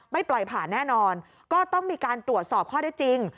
ปล่อยผ่านแน่นอนก็ต้องมีการตรวจสอบข้อได้จริง